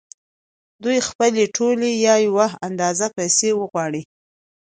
دوی خپلې ټولې یا یوه اندازه پیسې وغواړي